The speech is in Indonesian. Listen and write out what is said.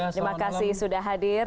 terima kasih sudah hadir